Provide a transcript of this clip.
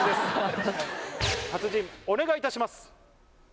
達人お願いいたします。